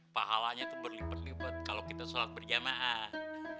pahalanya tuh berlimpah limpah kalau kita sholat berjamaah